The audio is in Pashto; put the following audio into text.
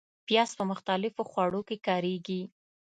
پیاز په مختلفو خوړو کې کارېږي